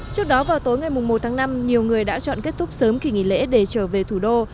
trước đó vào tối ngày một tháng năm nhiều người đã chọn kết thúc sớm kỳ nghỉ lễ để trở về thủ đô